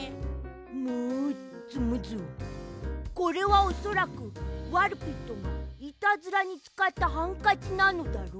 ムズムズこれはおそらくワルピットがイタズラにつかったハンカチなのだろう。